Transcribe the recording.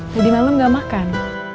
jadi malam gak makan